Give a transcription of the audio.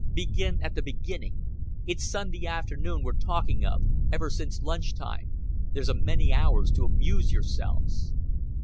Begin at the beginning. It's Sunday afternoon we're talking of ever since lunch time. There's a many hours to amuse yourselves."